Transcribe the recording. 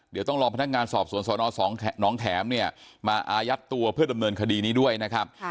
เดี๋ยวต้องรอพนักงานสอบสวนสนน้องแขมเนี่ยมาอายัดตัวเพื่อดำเนินคดีนี้ด้วยนะครับ